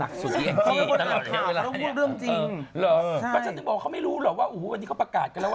เดี๋ยวก่อนพี่ดู้เค้าอ่านข่าวอยู่